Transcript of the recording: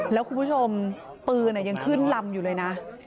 แล้วคุณผู้ชมปืนยังขึ้นลำอยู่เลยนะ